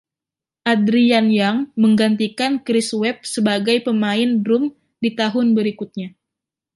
Adrian Young menggantikan Chris Webb sebagai pemain drum di tahun berikutnya.